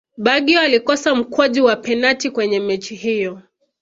baggio alikosa mkwaju wa penati kwenye mechi hiyo